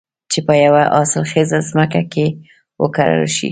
چې په يوه حاصل خېزه ځمکه کې وکرل شي.